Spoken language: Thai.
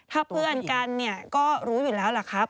ถ้าเพื่อนกันเนี่ยก็รู้อยู่แล้วล่ะครับ